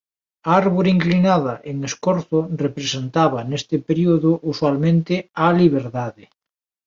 A árbore inclinada en escorzo representaba neste período usualmente á Liberdade.